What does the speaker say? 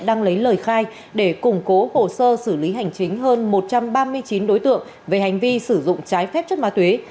đang lấy lời khai để củng cố hồ sơ xử lý hành chính hơn một trăm ba mươi chín đối tượng về hành vi sử dụng trái phép chất ma túy